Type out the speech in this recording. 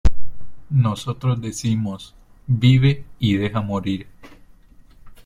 Nosotros decimos: vive y deja morir".